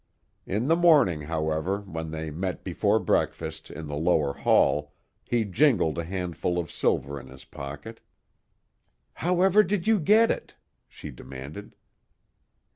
In the morning, however, when they met before breakfast in the lower hall he jingled a handful of silver in his pocket. "However did you git it?" she demanded.